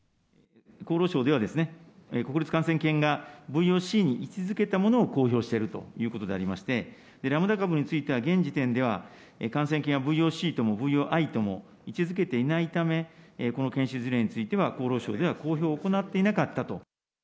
厚労省では、国立感染研がＶＯＣに位置づけたものを公表しているということでありまして、ラムダ株については、現時点では感染研はＶＯＣともＶＯＩとも位置づけていないため、この検出例については、厚労省では公表を行っていなかったと。